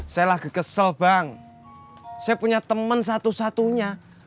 saya lagi kesel bang saya punya teman satu satunya